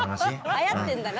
はやってんだな。